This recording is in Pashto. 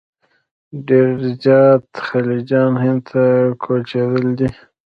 ډېر زیات خلجیان هند ته کوچېدلي دي.